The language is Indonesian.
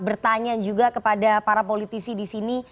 bertanya juga kepada para politisi di sini